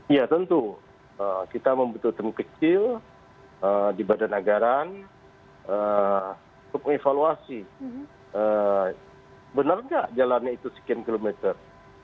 ya tentu kita membutuhkan kecil di badan anggaran untuk mengevaluasi benar nggak jalannya itu sekian kilometer